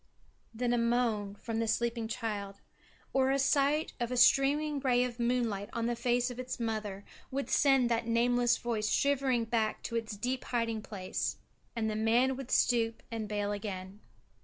Then a moan from the sleeping child, or a sight of a streaming ray of moonlight on the face of its mother would send that nameless Voice shivering back to its deep hiding place and the man would stoop and bail again.